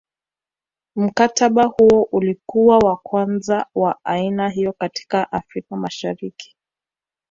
Mkataba huo ulikuwa wa kwanza wa aina hiyo katika Afrika Mashariki